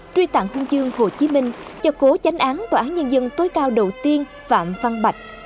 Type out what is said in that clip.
truy tặng huân chương hồ chí minh cho cố tránh án tòa án nhân dân tối cao đầu tiên phạm văn bạch